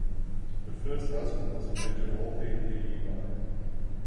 Her first husband was Major Walter Henry Levy.